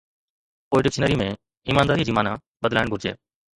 پوءِ ڊڪشنري ۾ ’ايمانداري‘ جي معنيٰ بدلائڻ گهرجي.